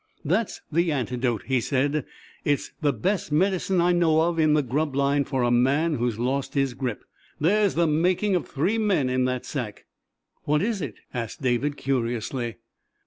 "That's the antidote," he said. "It's the best medicine I know of in the grub line for a man who's lost his grip. There's the making of three men in that sack." "What is it?" asked David, curiously.